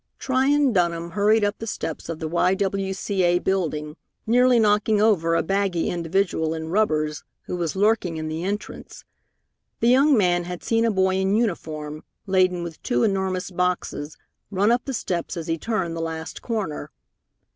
Tryon Dunham hurried up the steps of the Y.W.C.A. Building, nearly knocking over a baggy individual in rubbers, who was lurking in the entrance. The young man had seen a boy in uniform, laden with two enormous boxes, run up the steps as he turned the last corner.